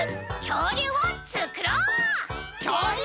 きょうりゅうをつくろう！